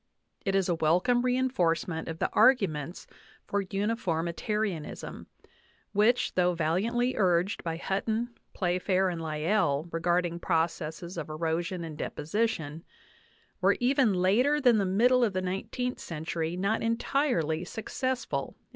It was a wel come reinforcement of the arguments for unjf nrrnitui iuiiiLTn, which, though valiantly urged by Hntton^ Playf ajr, and Lyell regarding processes of erosion and deposition, were even later than the middle of the nineteenth century not entirely success ful in.